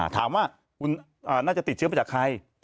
ถามว่าคุณน่าจะติดเชื้อมาจากใคร